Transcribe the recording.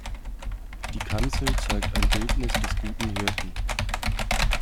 Die Kanzel zeigt ein Bildnis des guten Hirten.